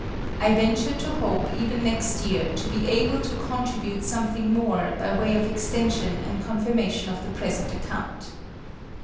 I venture to hope even next year to be able to contribute something more by way of extension and confirmation of the present account.